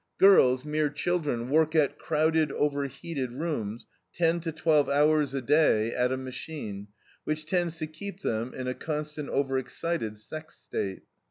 Girls, mere children, work in crowded, over heated rooms ten to twelve hours daily at a machine, which tends to keep them in a constant over excited sex state.